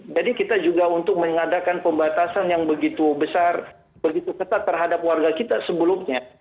jadi kita juga untuk mengadakan pembatasan yang begitu besar begitu ketat terhadap warga kita sebelumnya